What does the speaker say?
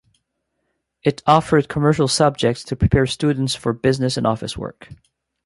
It offered commercial subjects to prepare students for business and office work.